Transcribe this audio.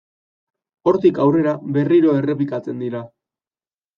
Hortik aurrera berriro errepikatzen dira.